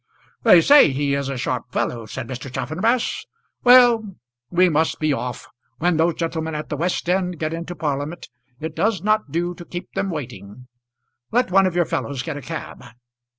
"They say he is a sharp fellow," said Mr. Chaffanbrass. "Well, we must be off. When those gentlemen at the West End get into Parliament it does not do to keep them waiting. Let one of your fellows get a cab."